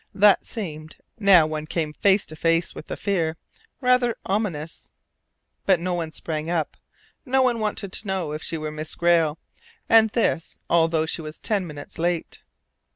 That seemed, now one came face to face with the fear, rather ominous. But no one sprang up. No one wanted to know if she were Miss Grayle; and this, although she was ten minutes late.